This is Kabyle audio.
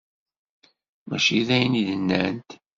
Mačči d ayen i d-nnant.